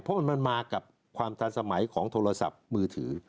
เพราะมันมากับความทันสมัยของโทรศัพท์มือถือ